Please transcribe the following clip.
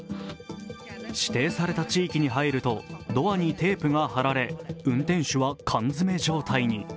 指定された地域に入ると、ドアにテープが貼られ、運転手は缶詰状態に。